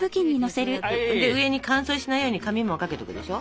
上に乾燥しないように紙もかけとくでしょ。